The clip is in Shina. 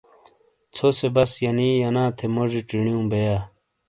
ژھو سے بس ینی ینا تھے موجی چینیو بیئیا۔